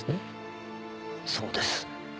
そうです。